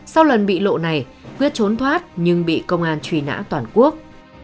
sau lần bị lộ này quyết trốn thoát nhưng bị công an truy nã toàn quốc